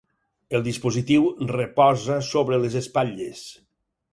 El dispositiu reposa sobre les espatlles.